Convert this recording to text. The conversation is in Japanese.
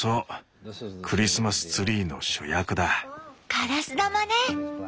ガラス玉ね！